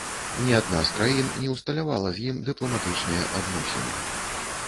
Ні адна з краін не ўсталявала з ім дыпламатычныя адносіны.